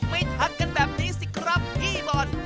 ทักกันแบบนี้สิครับพี่บอล